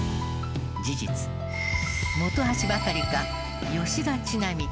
事実本橋ばかりか吉田知那美